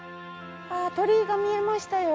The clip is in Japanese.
鳥居が見えましたよ。